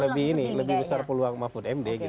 lebih ini lebih besar peluang mahfud md gitu